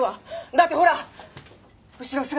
だってほら後ろ姿